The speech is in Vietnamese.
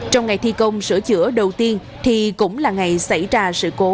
trong ngày thi công sửa chữa đầu tiên thì cũng là ngày xảy ra sự cố sập đổ